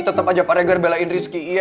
tetep aja pak regar belain rizky